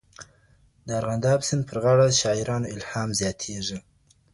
د ارغنداب سیند پر غاړه د شاعرانو الهام زیاتیږي.